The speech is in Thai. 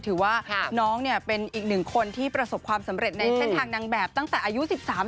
ถือว่าน้องเนี่ยเป็นอีกหนึ่งคนที่ประสบความสำเร็จในเส้นทางนางแบบตั้งแต่อายุ๑๓